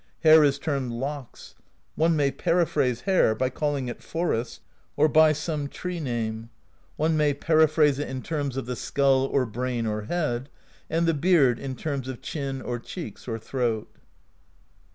Hair is termed Locks. [One may periphrase hair by calling it Forest, or by some tree name; one may periphrase it in terms of the skull or brain or head; and the beard in terms of chin or cheeks or throat.